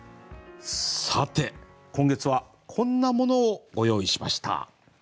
さて今月はこんなものをご用意しました。